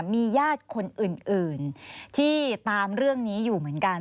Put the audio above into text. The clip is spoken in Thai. มีญาติคนอื่นที่ตามเรื่องนี้อยู่เหมือนกัน